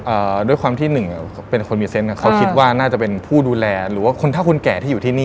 ด้วยความที่หนึ่งเป็นคนมีเซนต์อ่ะเขาคิดว่าน่าจะเป็นผู้ดูแลหรือว่าคนเท่าคนแก่ที่อยู่ที่นี่